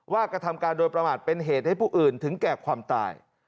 กระทำการโดยประมาทเป็นเหตุให้ผู้อื่นถึงแก่ความตาย